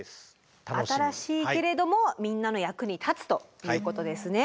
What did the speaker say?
新しいけれどもみんなの役に立つということですね。